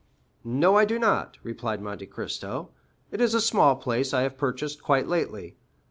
"No, I do not," replied Monte Cristo; "it is a small place I have purchased quite lately.